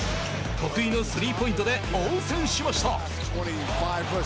得意のスリーポイントで応戦しました。